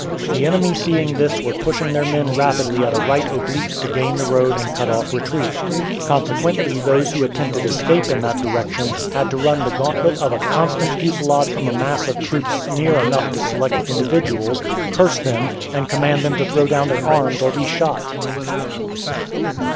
The enemy seeing this were pushing their men rapidly at a right oblique to gain the road and cut off retreat. Consequently those who attempted escape in that direction had to run the gauntlet of a constant fusilade from a mass of troops near enough to select individuals, curse them, and command them to throw down their arms or be shot.